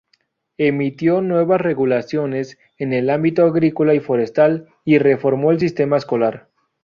Emitió nuevas regulaciones en el ámbito agrícola y forestal y reformó el sistema escolar.